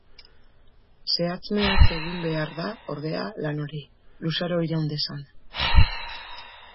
Zehatz-mehatz egin behar da, ordea, lan hori, luzaro iraun dezan.